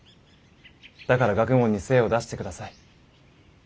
だから学問に精を出してください。